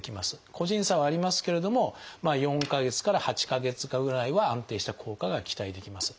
個人差はありますけれども４か月から８か月かぐらいは安定した効果が期待できます。